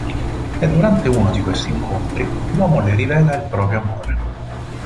È durante uno di questi incontri che l’uomo le rivela il proprio amore.